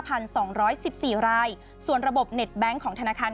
สองร้อยสิบสี่รายส่วนระบบเน็ตแก๊งของธนาคาร